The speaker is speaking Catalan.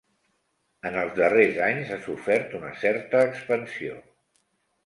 En els darrers anys ha sofert una certa expansió.